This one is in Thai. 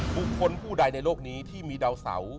บุคคลผู้ใดในโลกนี้ที่มีดาวเสา